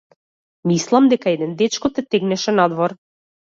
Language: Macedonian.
Мислам дека еден дечко те тегнеше надвор.